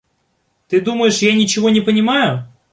Ты думаешь, я ничего не понимаю?